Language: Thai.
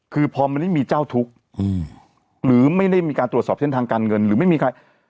คือพอมันไม่มีเจ้าทุกข์หรือไม่ได้มีการตรวจสอบเส้นทางการเงินหรือไม่มีใคร